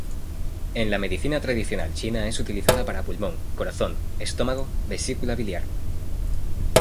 En la Medicina tradicional china es utilizada para pulmón, corazón, estómago, vesícula biliar.